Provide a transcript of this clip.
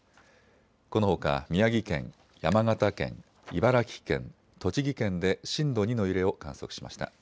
このほか宮城県、山形県、茨城県、栃木県で震度２の揺れを観測しました。